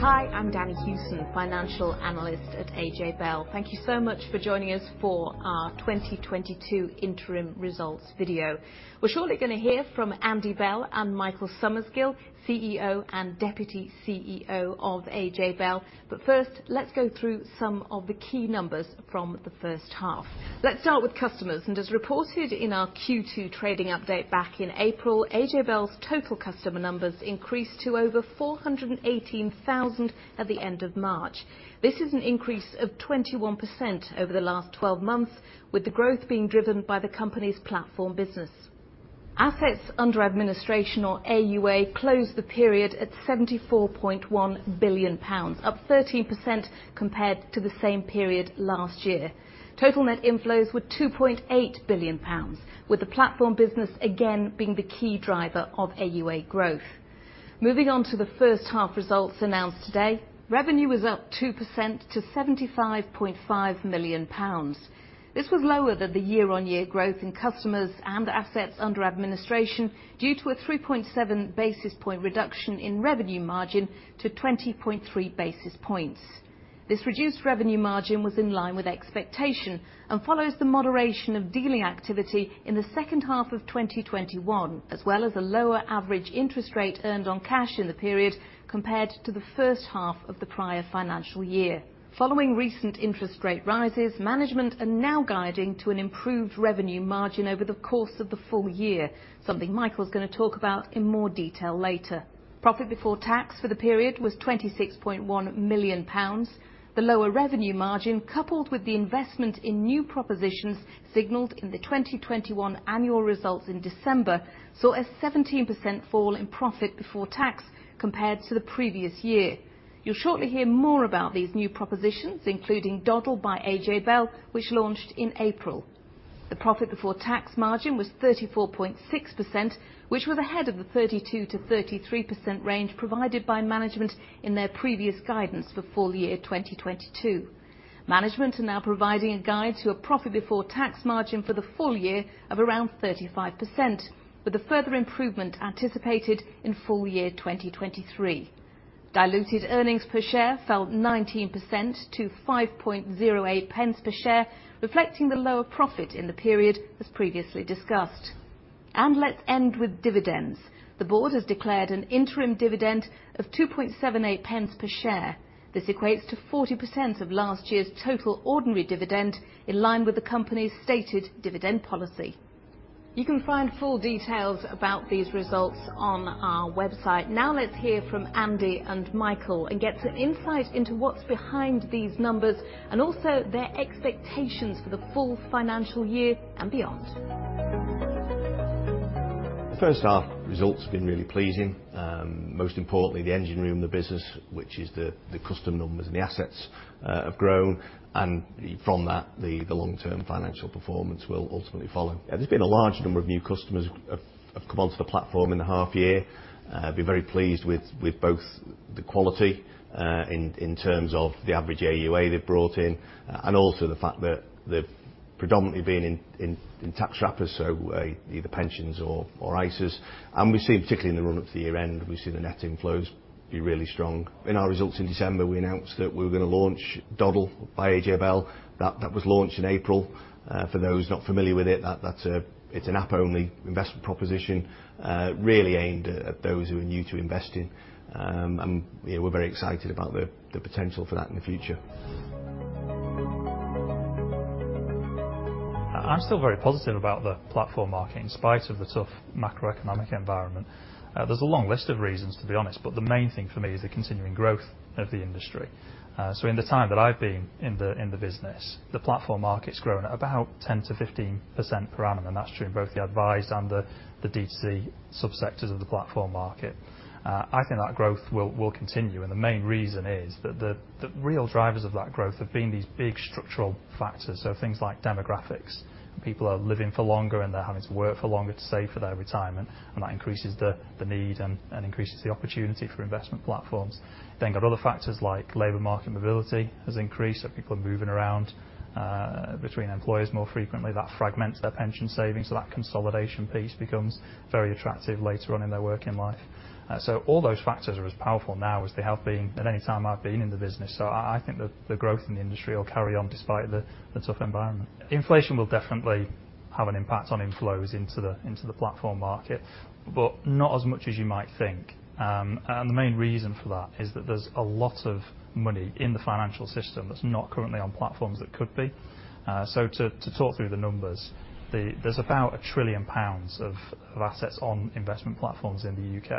Hi, I'm Danni Hewson, financial analyst at AJ Bell. Thank you so much for joining us for our 2022 interim results video. We're shortly gonna hear from Andy Bell and Michael Summersgill, CEO and Deputy CEO of AJ Bell. First, let's go through some of the key numbers from the first half. Let's start with customers. As reported in our Q2 trading update back in April, AJ Bell's total customer numbers increased to over 418,000 at the end of March. This is an increase of 21% over the last 12 months, with the growth being driven by the company's platform business. Assets Under Administration, or AUA, closed the period at GBP 74.1 billion, up 13% compared to the same period last year. Total net inflows were 2.8 billion pounds, with the platform business again being the key driver of AUA growth. Moving on to the first half results announced today. Revenue was up 2% to 75.5 million pounds. This was lower than the year-on-year growth in customers and assets under administration due to a 3.7 basis points reduction in revenue margin to 20.3 basis points. This reduced revenue margin was in line with expectation and follows the moderation of dealing activity in the second half of 2021, as well as a lower average interest rate earned on cash in the period compared to the first half of the prior financial year. Following recent interest rate rises, management are now guiding to an improved revenue margin over the course of the full year, something Michael's gonna talk about in more detail later. Profit before tax for the period was 26.1 million pounds. The lower revenue margin, coupled with the investment in new propositions signaled in the 2021 annual results in December, saw a 17% fall in profit before tax compared to the previous year. You'll shortly hear more about these new propositions, including Dodl by AJ Bell, which launched in April. The profit before tax margin was 34.6%, which was ahead of the 32%-33% range provided by management in their previous guidance for full year 2022. Management are now providing a guide to a profit before tax margin for the full year of around 35%, with a further improvement anticipated in full year 2023. Diluted earnings per share fell 19% to 0.0508 per share, reflecting the lower profit in the period, as previously discussed. Let's end with dividends. The board has declared an interim dividend of 0.0278 per share. This equates to 40% of last year's total ordinary dividend, in line with the company's stated dividend policy. You can find full details about these results on our website. Now let's hear from Andy and Michael and get an insight into what's behind these numbers and also their expectations for the full financial year and beyond. The first half results have been really pleasing. Most importantly, the engine room of the business, which is the customer numbers and the assets, have grown. From that, the long-term financial performance will ultimately follow. Yeah, there's been a large number of new customers have come onto the platform in the half year. Been very pleased with both the quality, in terms of the average AUA they've brought in, and also the fact that they've predominantly been in tax wrappers, so either pensions or ISAs. We've seen, particularly in the run-up to the year end, we've seen the net inflows be really strong. In our results in December, we announced that we were gonna launch Dodl by AJ Bell. That was launched in April. For those not familiar with it's an app-only investment proposition, really aimed at those who are new to investing. You know, we're very excited about the potential for that in the future. I'm still very positive about the platform market in spite of the tough macroeconomic environment. There's a long list of reasons, to be honest, but the main thing for me is the continuing growth of the industry. In the time that I've been in the business, the platform market's grown at about 10%-15% per annum, and that's true in both the advised and the D2C subsectors of the platform market. I think that growth will continue, and the main reason is the real drivers of that growth have been these big structural factors. Things like demographics. People are living for longer, and they're having to work for longer to save for their retirement, and that increases the need and increases the opportunity for investment platforms. You've got other factors like labor market mobility has increased, so people are moving around between employers more frequently. That fragments their pension savings, so that consolidation piece becomes very attractive later on in their working life. All those factors are as powerful now as they have been at any time I've been in the business. I think the growth in the industry will carry on despite the tough environment. Inflation will definitely have an impact on inflows into the platform market, but not as much as you might think. The main reason for that is that there's a lot of money in the financial system that's not currently on platforms that could be. So, to talk through the numbers, there's about 1 trillion pounds of assets on investment platforms in the U.K.,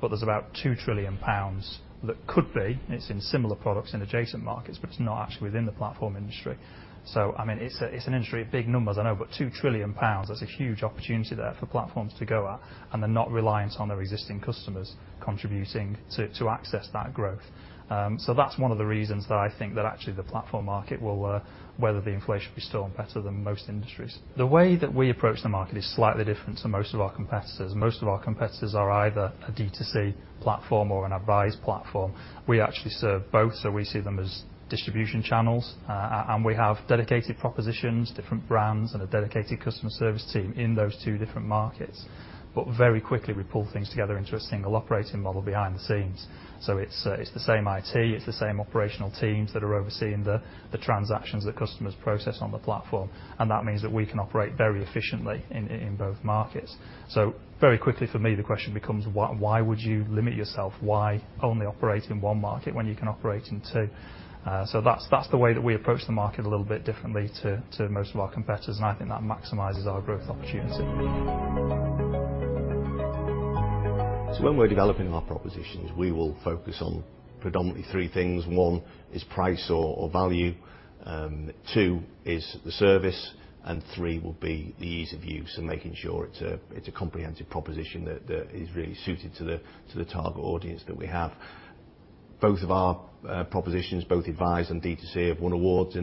but there's about 2 trillion pounds that could be. It's in similar products in adjacent markets, but it's not actually within the platform industry. I mean, it's an industry of big numbers, I know, but 2 trillion pounds, that's a huge opportunity there for platforms to go at, and they're not reliant on their existing customers contributing to access that growth. That's one of the reasons that I think that actually the platform market will weather the inflationary storm better than most industries. The way that we approach the market is slightly different to most of our competitors. Most of our competitors are either a D2C platform or an advised platform. We actually serve both, so we see them as distribution channels. We have dedicated propositions, different brands, and a dedicated customer service team in those two different markets. Very quickly we pull things together into a single operating model behind the scenes. It's the same IT, it's the same operational teams that are overseeing the transactions that customers process on the platform, and that means that we can operate very efficiently in both markets. Very quickly, for me, the question becomes, why would you limit yourself? Why only operate in one market when you can operate in two? That's the way that we approach the market a little bit differently to most of our competitors, and I think that maximizes our growth opportunity. When we're developing our propositions, we will focus on predominantly three things. One is price or value, two is the service, and three will be the ease of use and making sure it's a comprehensive proposition that is really suited to the target audience that we have. Both of our propositions, both advised and D2C have won awards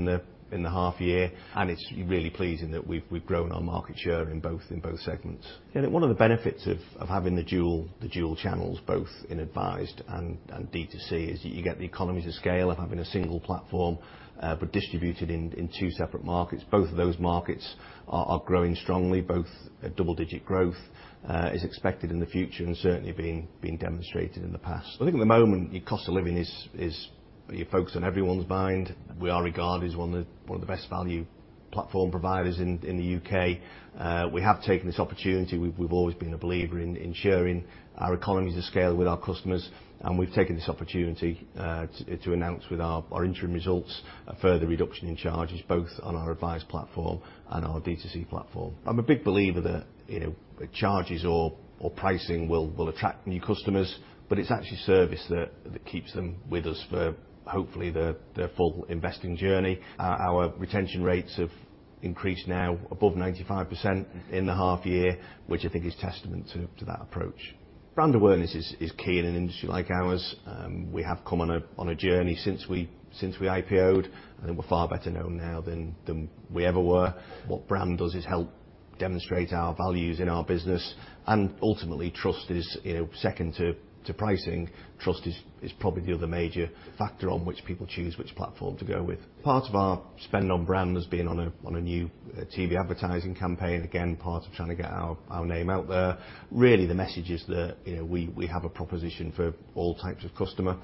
in the half year, and it's really pleasing that we've grown our market share in both segments. You know, one of the benefits of having the dual channels both in advised and D2C is you get the economies of scale of having a single platform, but distributed in two separate markets. Both of those markets are growing strongly, both double-digit growth is expected in the future and certainly being demonstrated in the past. I think in the moment, your cost of living is focused on everyone's mind. We are regarded as one of the best value platform providers in the U.K. We have taken this opportunity. We've always been a believer in ensuring our economies of scale with our customers, and we've taken this opportunity to announce with our interim results a further reduction in charges both on our advised platform and our D2C platform. I'm a big believer that, you know, charges or pricing will attract new customers, but it's actually service that keeps them with us for hopefully their full investing journey. Our retention rates have increased now above 95% in the half year, which I think is testament to that approach. Brand awareness is key in an industry like ours. We have come on a journey since we IPO'd, and we're far better known now than we ever were. What brand does is help demonstrate our values in our business and ultimately trust is, you know, second to pricing. Trust is probably the other major factor on which people choose which platform to go with. Part of our spend on brand has been on a new TV advertising campaign, again, part of trying to get our name out there. Really, the message is that, you know, we have a proposition for all types of customer,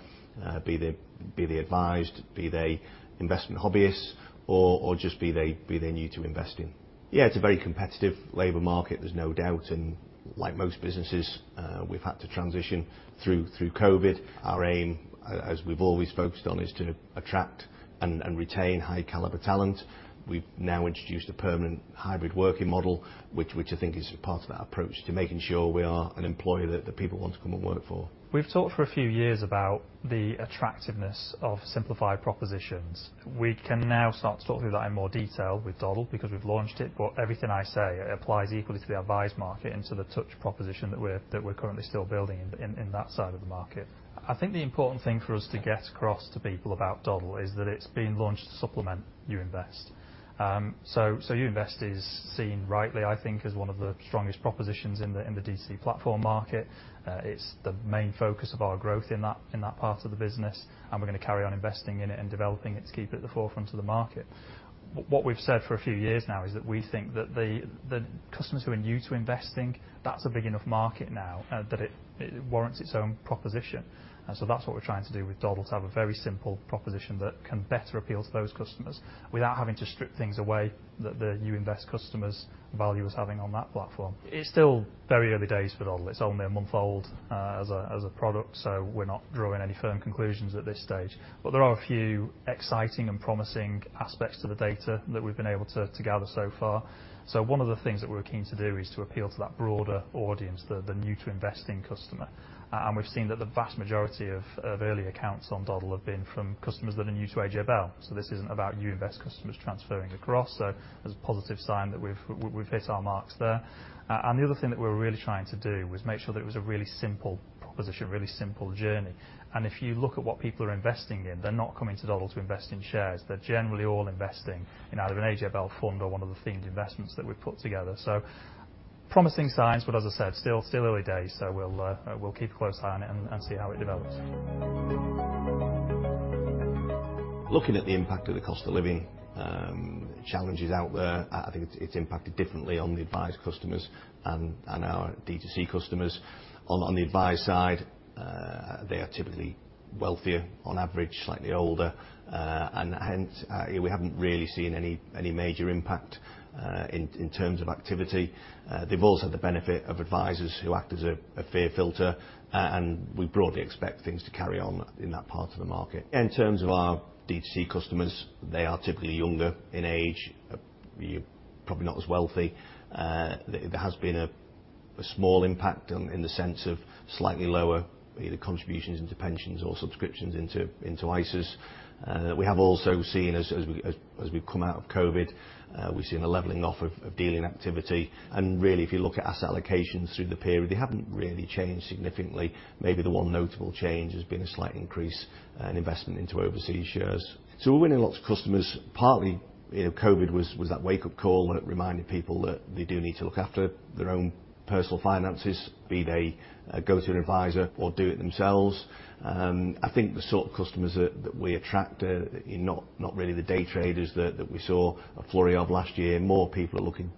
be they advised, be they investment hobbyists or just be they new to investing. Yeah, it's a very competitive labor market. There's no doubt. Like most businesses, we've had to transition through COVID. Our aim, as we've always focused on, is to attract and retain high caliber talent. We've now introduced a permanent hybrid working model, which I think is part of that approach to making sure we are an employer that people want to come and work for. We've talked for a few years about the attractiveness of simplified propositions. We can now start to talk through that in more detail with Dodl because we've launched it. Everything I say applies equally to the advised market and to the Touch proposition that we're currently still building in that side of the market. I think the important thing for us to get across to people about Dodl is that it's been launched to supplement Youinvest. So Youinvest is seen rightly, I think, as one of the strongest propositions in the D2C platform market. It's the main focus of our growth in that part of the business, and we're gonna carry on investing in it and developing it to keep it at the forefront of the market. What we've said for a few years now is that we think that the customers who are new to investing, that's a big enough market now, that it warrants its own proposition. That's what we're trying to do with Dodl, to have a very simple proposition that can better appeal to those customers without having to strip things away that the Youinvest customers value us having on that platform. It's still very early days for Dodl. It's only a month old, as a product. We're not drawing any firm conclusions at this stage. There are a few exciting and promising aspects to the data that we've been able to gather so far. One of the things that we're keen to do is to appeal to that broader audience, the new to investing customer. We've seen that the vast majority of early accounts on Dodl have been from customers that are new to AJ Bell. This isn't about Youinvest customers transferring across. There's a positive sign that we've hit our marks there. The other thing that we're really trying to do was make sure that it was a really simple proposition, a really simple journey. If you look at what people are investing in, they're not coming to Dodl to invest in shares. They're generally all investing in either an AJ Bell fund or one of the themed investments that we've put together. Promising signs, but as I said, still early days, so we'll keep a close eye on it and see how it develops. Looking at the impact of the cost of living challenges out there, I think it's impacted differently on the advised customers and our D2C customers. On the advised side, they are typically wealthier on average, slightly older, and hence, we haven't really seen any major impact in terms of activity. They've also the benefit of advisors who act as a fear filter. We broadly expect things to carry on in that part of the market. In terms of our D2C customers, they are typically younger in age, probably not as wealthy. There has been a small impact in the sense of slightly lower either contributions into pensions or subscriptions into ISAs. We have also seen, as we've come out of COVID, we've seen a leveling off of dealing activity. Really, if you look at asset allocations through the period, they haven't really changed significantly. Maybe the one notable change has been a slight increase in investment into overseas shares. We're winning lots of customers. Partly, you know, COVID was that wake-up call that reminded people that they do need to look after their own personal finances, be they go to an advisor or do it themselves. I think the sort of customers that we attract are not really the day traders that we saw a flurry of last year. More people are looking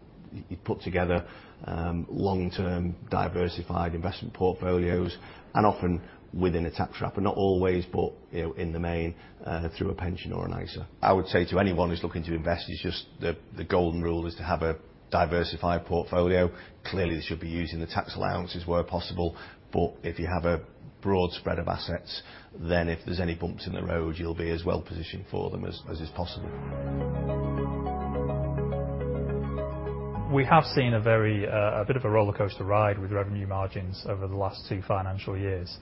to put together long-term, diversified investment portfolios and often within a tax wrapper. Not always, you know, in the main, through a pension or an ISA. I would say to anyone who's looking to invest is just the golden rule is to have a diversified portfolio. Clearly, they should be using the tax allowances where possible. If you have a broad spread of assets, then if there's any bumps in the road, you'll be as well positioned for them as is possible. We have seen a bit of a rollercoaster ride with revenue margins over the last two financial years.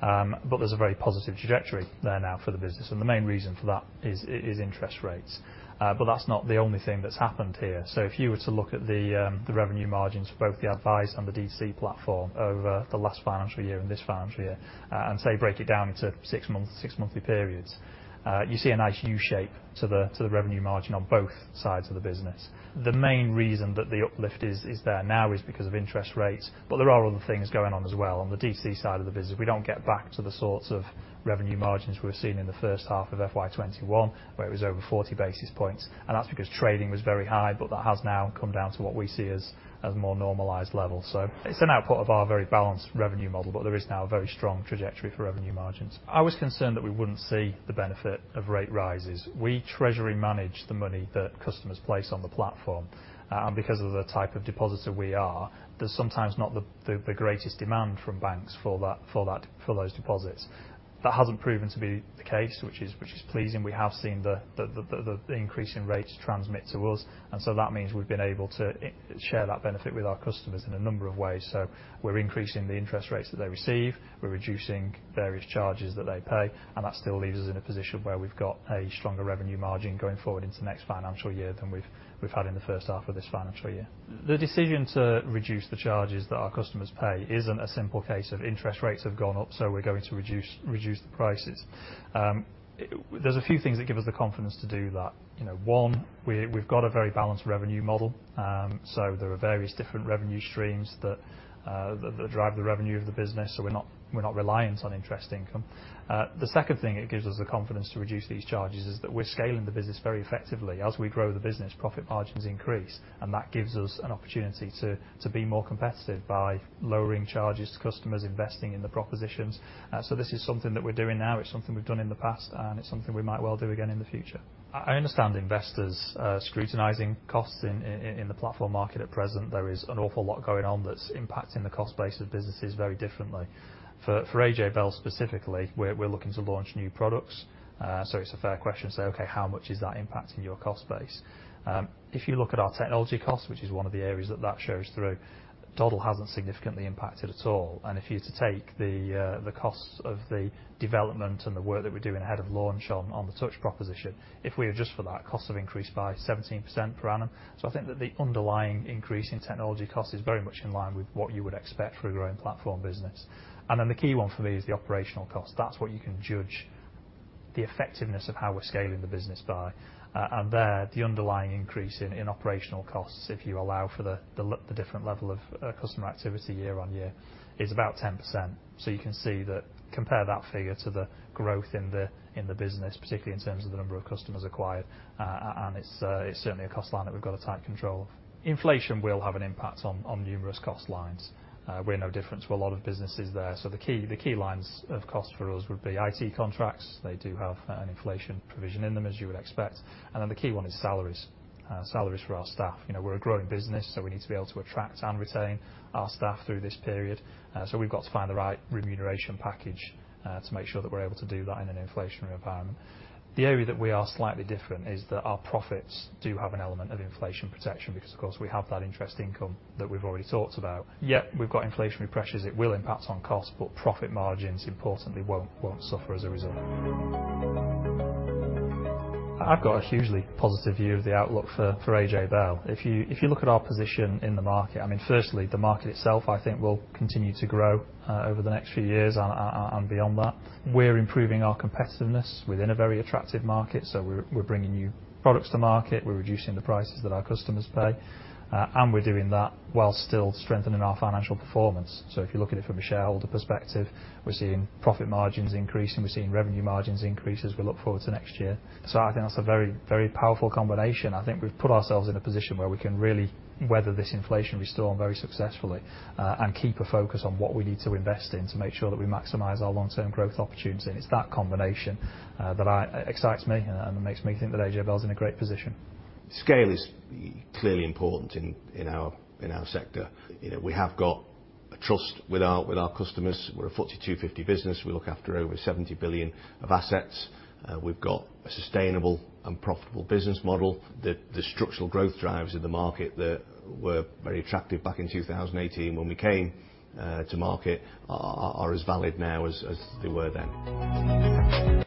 There's a very positive trajectory there now for the business, and the main reason for that is interest rates. That's not the only thing that's happened here. If you were to look at the revenue margins for both the advised and the D2C platform over the last financial year and this financial year, and say, break it down into six months, six monthly periods, you see a nice U-shape to the revenue margin on both sides of the business. The main reason that the uplift is there now is because of interest rates, but there are other things going on as well. On the D2C side of the business, we don't get back to the sorts of revenue margins we were seeing in the first half of FY 2021 where it was over 40 basis points, and that's because trading was very high, but that has now come down to what we see as more normalized levels. It's an output of our very balanced revenue model, but there is now a very strong trajectory for revenue margins. I was concerned that we wouldn't see the benefit of rate rises. We treasury manage the money that customers place on the platform. Because of the type of depositor we are, there's sometimes not the greatest demand from banks for those deposits. That hasn't proven to be the case, which is pleasing. We have seen the increase in rates transmit to us, and so that means we've been able to share that benefit with our customers in a number of ways. We're increasing the interest rates that they receive, we're reducing various charges that they pay, and that still leaves us in a position where we've got a stronger revenue margin going forward into the next financial year than we've had in the first half of this financial year. The decision to reduce the charges that our customers pay isn't a simple case of interest rates have gone up, so we're going to reduce the prices. There's a few things that give us the confidence to do that. You know, one, we've got a very balanced revenue model. There are various different revenue streams that drive the revenue of the business, so we're not reliant on interest income. The second thing that gives us the confidence to reduce these charges is that we're scaling the business very effectively. As we grow the business, profit margins increase, and that gives us an opportunity to be more competitive by lowering charges to customers investing in the propositions. This is something that we're doing now. It's something we've done in the past, and it's something we might well do again in the future. I understand investors scrutinizing costs in the platform market at present. There is an awful lot going on that's impacting the cost base of businesses very differently. For AJ Bell specifically, we're looking to launch new products. It's a fair question to say, "Okay, how much is that impacting your cost base?" If you look at our technology cost, which is one of the areas that shows through, total hasn't significantly impacted at all. If you were to take the costs of the development and the work that we're doing ahead of launch on the Touch proposition, if we adjust for that, costs have increased by 17% per annum. I think that the underlying increase in technology cost is very much in line with what you would expect for a growing platform business. Then the key one for me is the operational cost. That's what you can judge the effectiveness of how we're scaling the business by. The underlying increase in operational costs if you allow for the different level of customer activity year-over-year is about 10%. You can see that compare that figure to the growth in the business, particularly in terms of the number of customers acquired. It's certainly a cost line that we've got a tight control of. Inflation will have an impact on numerous cost lines. We're no different to a lot of businesses there. The key lines of cost for us would be IT contracts. They do have an inflation provision in them, as you would expect. Then the key one is salaries. Salaries for our staff. You know, we're a growing business, so we need to be able to attract and retain our staff through this period. We've got to find the right remuneration package to make sure that we're able to do that in an inflationary environment. The area that we are slightly different is that our profits do have an element of inflation protection because, of course, we have that interest income that we've already talked about. Yet we've got inflationary pressures. It will impact on cost, but profit margins importantly won't suffer as a result. I've got a hugely positive view of the outlook for AJ Bell. If you look at our position in the market, I mean, firstly, the market itself, I think will continue to grow over the next few years and beyond that. We're improving our competitiveness within a very attractive market. We're bringing new products to market. We're reducing the prices that our customers pay. We're doing that while still strengthening our financial performance. If you look at it from a shareholder perspective, we're seeing profit margins increasing, we're seeing revenue margins increase as we look forward to next year. I think that's a very, very powerful combination. I think we've put ourselves in a position where we can really weather this inflationary storm very successfully, and keep a focus on what we need to invest in to make sure that we maximize our long-term growth opportunities. It's that combination that excites me and makes me think that AJ Bell's in a great position. Scale is clearly important in our sector. You know, we have got a trust with our customers. We're a FTSE 250 business. We look after over 70 billion of assets. We've got a sustainable and profitable business model. The structural growth drivers in the market that were very attractive back in 2018 when we came to market are as valid now as they were then.